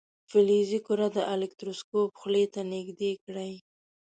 فلزي کره د الکتروسکوپ خولې ته نژدې کړئ.